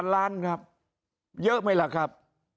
ล้านครับเยอะไหมล่ะครับ